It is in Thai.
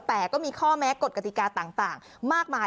แต่ก็มีข้อแม้กฎกติกาต่างมากมาย